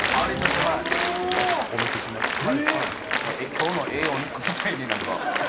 今日のええお肉みたいになんか。